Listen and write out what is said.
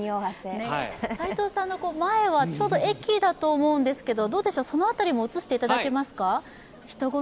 齋藤さんの前は、ちょうど駅だと思うんですけれども、その辺りも映していただけますか？